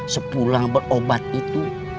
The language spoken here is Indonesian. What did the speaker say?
sepulang berobat itu